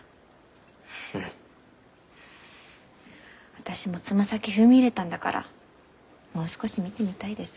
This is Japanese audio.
私もつま先踏み入れたんだからもう少し見てみたいです。